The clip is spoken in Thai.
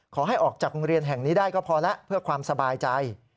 ขอให้ออกจากโรงเรียนแห่งนี้ได้ก็พอแล้วเพื่อความสบายใจ